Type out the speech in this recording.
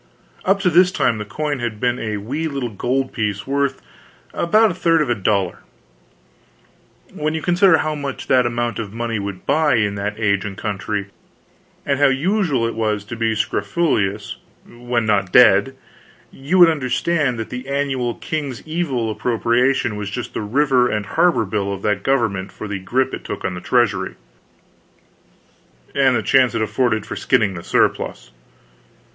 Up to this time this coin had been a wee little gold piece worth about a third of a dollar. When you consider how much that amount of money would buy, in that age and country, and how usual it was to be scrofulous, when not dead, you would understand that the annual king's evil appropriation was just the River and Harbor bill of that government for the grip it took on the treasury and the chance it afforded for skinning the surplus.